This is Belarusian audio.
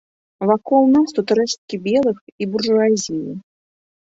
Вакол нас тут рэшткі белых і буржуазіі.